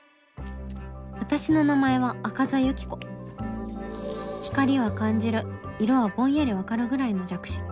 私の名前は赤座ユキコ光は感じる色はぼんやり分かるぐらいの弱視